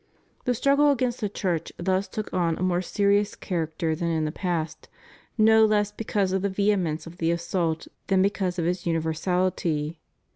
The struggle against the Church thus took on a more serious character than in the past, no less because of the vehemence of the assault than because of its universaHty.